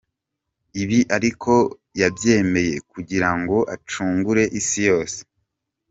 Ibi ariko yabyemeye kugira ngo acungure isi yose.